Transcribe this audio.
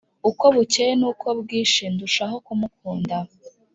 Uko bukeye nuko bwije ndushaho ku mukunda